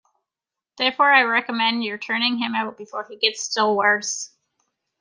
Therefore I recommend your turning him out before he gets still worse.